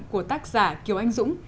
của tác giả kiều anh dũng